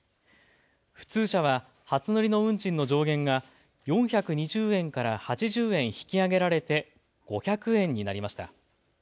普通車は初乗りの運賃の上限が４２０円から８０円引き上げられて５００円になりました。